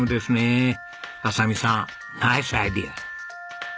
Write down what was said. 亜沙美さんナイスアイデア！